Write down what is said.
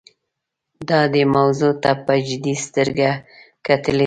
دا دې موضوع ته په جدي سترګه کتلي دي.